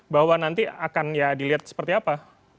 bahwa nanti akan ya dilihat seperti apa